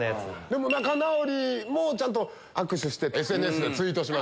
仲直りもちゃんと握手してＳＮＳでツイートしました。